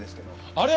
あれ？